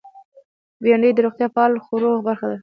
بېنډۍ د روغتیا پال خوړو برخه ده